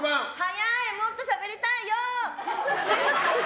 もっとしゃべりたいよ！